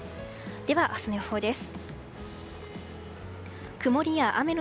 では、明日の予報です。